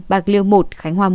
bạc liêu một khánh hòa một